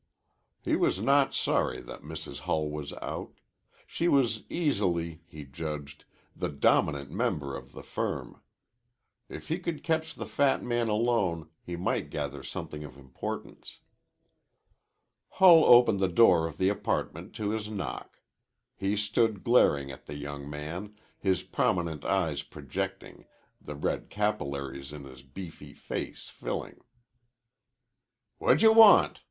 He was not sorry that Mrs. Hull was out. She was easily, he judged, the dominant member of the firm. If he could catch the fat man alone he might gather something of importance. Hull opened the door of the apartment to his knock. He stood glaring at the young man, his prominent eyes projecting, the red capillaries in his beefy face filling. "Whadjawant?"